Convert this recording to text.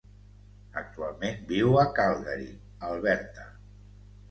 Actualment viu a Calgary, Alberta.